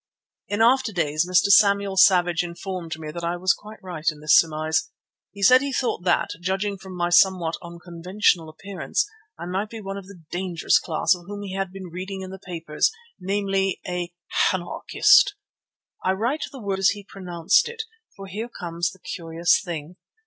In after days Mr. Samuel Savage informed me that I was quite right in this surmise. He said he thought that, judging from my somewhat unconventional appearance, I might be one of the dangerous class of whom he had been reading in the papers, namely, a "hanarchist." I write the word as he pronounced it, for here comes the curious thing.